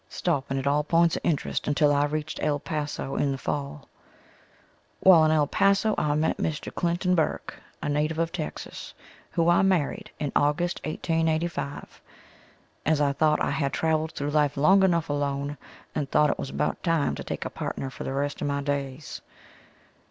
Stopping at all points of interest until I reached El Paso in the fall. While in El Paso, I met Mr. Clinton Burk, a native of Texas, who I married in August 1885. As I thought I had travelled through life long enough alone and thought it was about time to take a partner for the rest of my days.